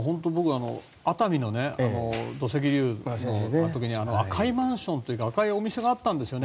熱海の土石流の時に赤いマンションというか赤いお店があったんですよね